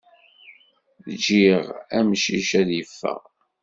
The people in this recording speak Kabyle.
Ǧǧiɣ amcic ad yeffeɣ.